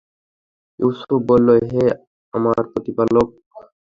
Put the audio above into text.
ইউসুফ বলল, হে আমার প্রতিপালক!